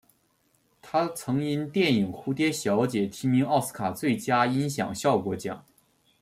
他曾因电影蝴蝶小姐提名奥斯卡最佳音响效果奖。